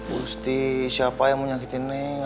busti siapa yang mau nyakitin neng